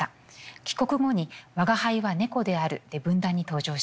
帰国後に「吾輩は猫である」で文壇に登場します。